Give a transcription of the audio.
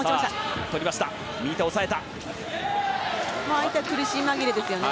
相手苦し紛れですよね